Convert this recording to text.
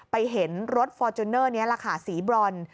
เห็นรถฟอร์จูเนอร์นี้แหละค่ะสีบรอน